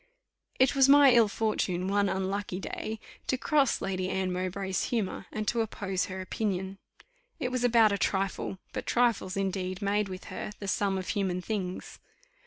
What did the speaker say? It was my ill fortune one unlucky day to cross Lady Anne Mowbray's humour, and to oppose her opinion. It was about a trifle; but trifles, indeed, made, with her, the sum of human things.